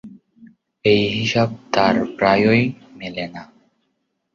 এই হিসাব তাঁর প্রায়ই মেলে না।